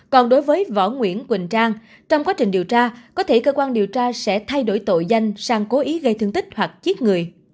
còn đối với võ nguyễn quỳnh trang trong quá trình điều tra có thể cơ quan điều tra sẽ thay đổi tội danh sang cố ý gây thương tích hoặc giết người